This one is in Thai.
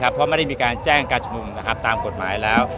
เพราะไม่ได้มีการแจ้งการชุมนุมตามกฎหมายแล้ว